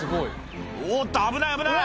おっと危ない危ない！